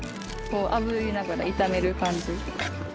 あぶりながら炒める感じ。